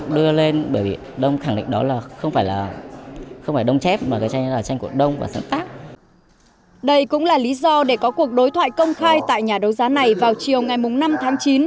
đây cũng là lý do để có cuộc đối thoại công khai tại nhà đấu giá này vào chiều ngày năm tháng chín